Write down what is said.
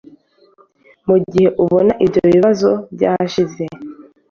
mu gihe ubona ibyo bibazo byashize